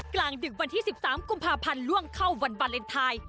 กลางดึกวันที่๑๓กุมภาพันธ์ล่วงเข้าวันวาเลนไทย